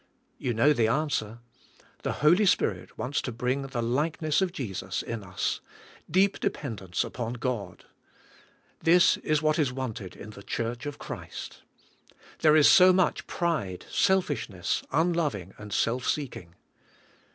You know the answer. The Holy Spirit wants to bring the likeness of Jesus in us — deep dependence upon God. This is what is wanted in the church of Christ. There is so much pride, selfishness, unloving and self seeking.